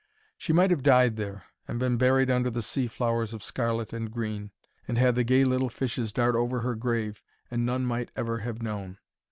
She might have died there, and been buried under the sea flowers of scarlet and green, and had the gay little fishes dart over her grave, and none might ever have known.